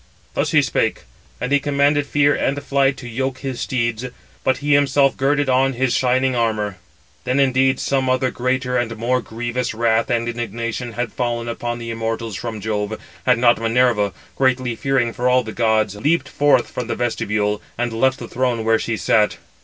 Thus he spake, and he commanded Fear and Flight to yoke his steeds, but he himself girded on his shining armour. Then indeed some other greater and more grievous wrath and indignation had fallen upon the immortals from Jove, had not Minerva, greatly fearing for all the gods, leaped forth from the vestibule, and left the throne where she sat.